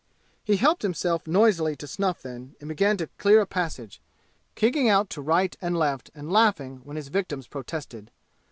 He helped himself noisily to snuff then and began to clear a passage, kicking out to right and left and laughing when his victims protested.